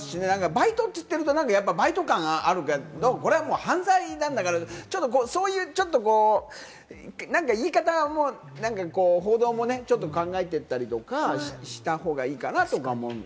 バイトって言っているとバイト感あるけど、これは犯罪なんだから、そういう言い方も、報道も考えていったりとかしたほうがいいかなとか思うし。